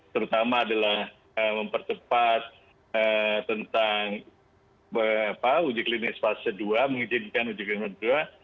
terutama adalah mempercepat tentang uji klinis fase dua mengizinkan uji klinis dua